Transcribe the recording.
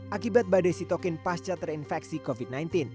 akibat badai sitokin pasca terinfeksi covid sembilan belas